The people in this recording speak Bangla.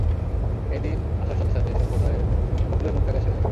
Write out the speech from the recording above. এই দিন আসার সাথে সাথে সম্প্রদায়ের সকলের মুখ ফ্যাকাসে হয়ে যায়।